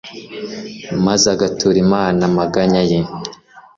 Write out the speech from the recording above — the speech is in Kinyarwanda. maze agatura imana amaganya ye